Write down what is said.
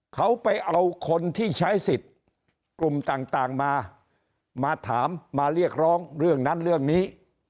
เขาไปเอาคนที่ใช้สิทธิ์กลุ่มต่างมามาถามมาเรียกร้องเรื่องนั้นเรื่องนี้